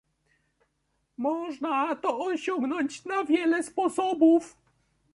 Można to osiągnąć na wiele sposobów